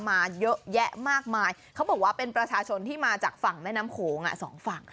มาเยอะแยะมากมายเขาบอกว่าเป็นประชาชนที่มาจากฝั่งแม่น้ำโขงสองฝั่ง